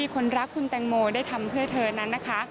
คนรักคุณแตงโมได้ทำเพื่อเธอนั้นนะคะ